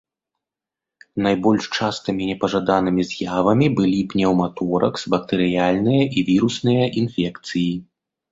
Найбольш частымі непажаданымі з'явамі былі пнеўматоракс, бактэрыяльныя і вірусныя інфекцыі.